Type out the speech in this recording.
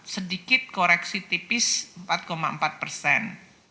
sedikit koreksi tipis empat empat persen